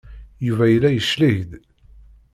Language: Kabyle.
Yuba yella yecleg-d.